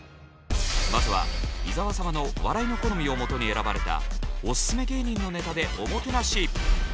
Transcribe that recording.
まずは伊沢様の笑いの好みをもとに選ばれたオススメ芸人のネタでおもてなし。